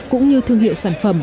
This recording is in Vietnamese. cũng như thương hiệu sản phẩm